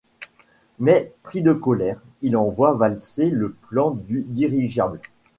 Mais pris de colère, il envoie valser le plan du dirigeable.